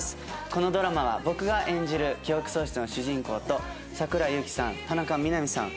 このドラマは僕が演じる記憶喪失の主人公と桜井ユキさん田中みな実さん